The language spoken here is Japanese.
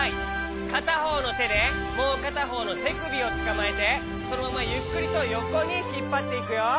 かたほうのてでもうかたほうのてくびをつかまえてそのままゆっくりとよこにひっぱっていくよ。